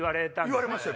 言われましたよ